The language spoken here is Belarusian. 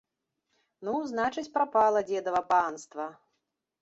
Ну, значыць, прапала дзедава панства!